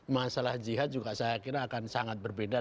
masalah jihad juga saya kira akan sangat berbeda